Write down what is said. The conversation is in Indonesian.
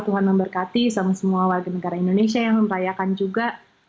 tuhan memberkati sama semua warga negara indonesia yang merayakan juga